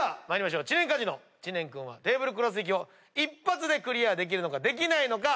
チネンカジノ知念君はテーブルクロス引きを一発でクリアできるのかできないのか。